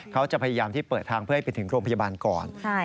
เขาจะพยายามที่เปิดทางเพื่อให้ไปถึงโรงพยาบาลก่อน